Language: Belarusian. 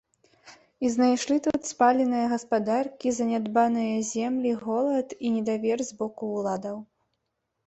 І знайшлі тут спаленыя гаспадаркі, занядбаныя землі, голад і недавер з боку ўладаў.